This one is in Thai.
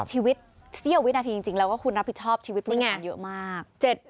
ชีวิตเสี้ยววินาทีจริงแล้วก็คุณรับผิดชอบชีวิตผู้งานเยอะมาก